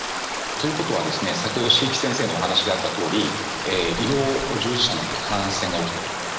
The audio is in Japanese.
ということは先ほど椎木先生のお話があったように医療従事者の感染が起きてくる。